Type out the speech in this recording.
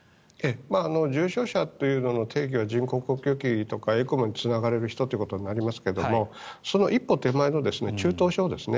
重症者の定義は人工呼吸器とかＥＣＭＯにつながれる人ということになりますがその一歩手前の中等症ですね。